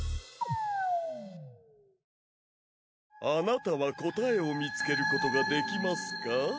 あなたは答えを見つけることができますか？